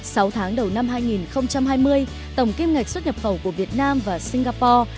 sáu tháng đầu năm hai nghìn hai mươi tổng kim ngạch xuất nhập khẩu của việt nam và singapore